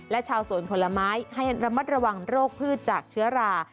และชาวสวนผลไม้ให้ระมัดระวังโรคพืชจากเชื้อรา